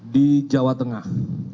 di jawa tengah